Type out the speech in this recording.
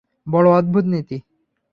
বড় অদ্ভুত নীতি।